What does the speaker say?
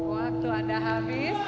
waktu anda habis